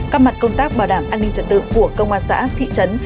các mặt công tác bảo đảm an ninh trật tự của công an xã thị trấn